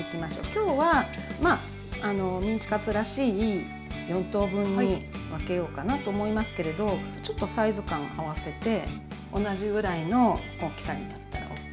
今日はまあメンチカツらしい４等分に分けようかなと思いますけれどちょっとサイズ感合わせて同じぐらいの大きさになったらＯＫです。